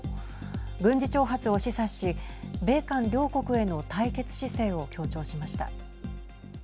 軍事挑発を示唆し米韓両国への対決姿勢を強調しました。